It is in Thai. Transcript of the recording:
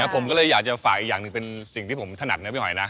ผมก็เลยอยากจะฝากอีกอย่างหนึ่งเป็นสิ่งที่ผมถนัดนะพี่หอยนะ